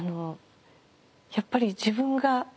やっぱり自分が。